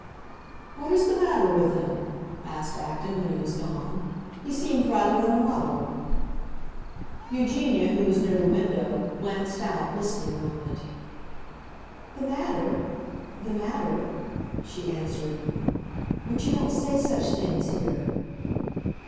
"What is the matter with him?" asked Acton, when he was gone. "He seemed rather in a muddle." Eugenia, who was near the window, glanced out, listening a moment. "The matter—the matter"—she answered. "But you don't say such things here."